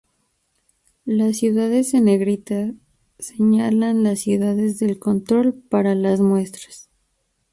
Las ciudades en negrita señalan las ciudades del control para las muestras.